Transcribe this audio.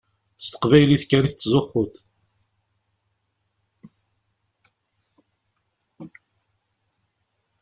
S teqbaylit kan i tettzuxxuḍ.